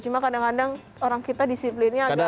cuma kadang kadang orang kita disiplinnya agak